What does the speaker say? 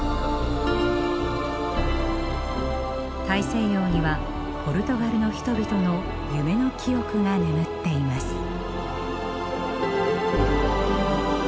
大西洋にはポルトガルの人々の夢の記憶が眠っています。